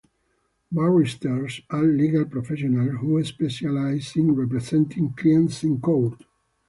Barristers are legal professionals who specialize in representing clients in court.